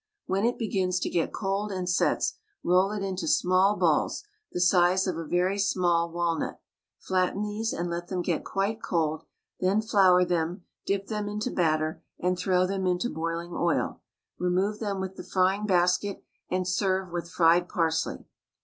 When it begins to get cold and sets, roll it into small balls, the size of a very small walnut, flatten these and let them get quite cold, then flour them, dip them into batter, and throw them into boiling oil; remove them with the frying basket, and serve with fried parsley.